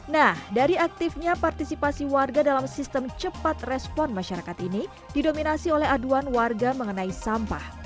nah dari aktifnya partisipasi warga dalam sistem cepat respon masyarakat ini didominasi oleh aduan warga mengenai sampah